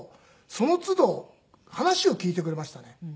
その都度話を聞いてくれましたね。